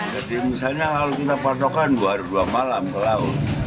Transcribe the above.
jadi misalnya kalau kita padokan dua hari dua malam ke laut